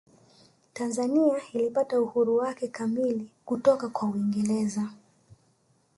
tanzania ilipata uhuru wake kamili kutoka kwa uingereza